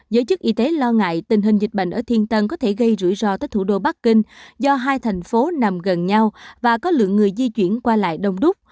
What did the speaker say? giới chức y tế lo ngại tình hình dịch bệnh ở thiên tân có thể gây rủi ro tới thủ đô bắc kinh do hai thành phố nằm gần nhau và có lượng người di chuyển qua lại đông đúc